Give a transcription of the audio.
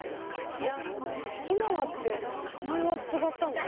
えっ今はって前は違ったの？